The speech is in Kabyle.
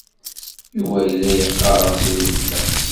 Yuba yella yeɣɣar-as i weltma-s.